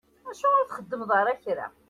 Acuɣeṛ ur txeddmeḍ ara kra?